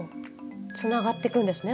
つながってくんですね